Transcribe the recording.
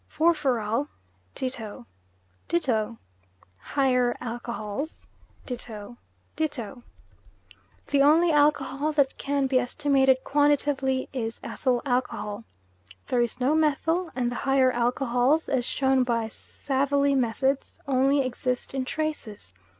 Furfural .... Ditto ditto Higher alcohols .. Ditto ditto "The only alcohol that can be estimated quantitatively is Ethyl Alcohol. "There is no methyl, and the higher alcohols, as shown by Savalie's method, only exist in traces.